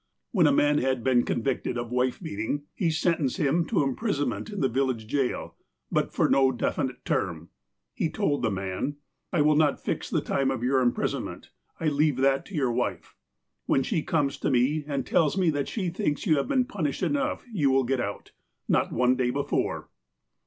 When a man had been convicted of wife beating, he sentenced him to imprisonment in the village jail, but for no definite term. He told the man :'' I will not fix the time of your imjjrisonment. I leave that to your wife. When she comes to me, and tells me that she thinks you have been punished enough, you will get out. Not one day before."